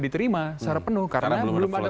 diterima secara penuh karena belum ada